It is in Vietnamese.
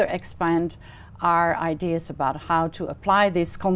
rằng trang phóng đại diện